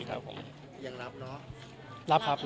มีเค้าเป็นนมจมปูงของทุกคน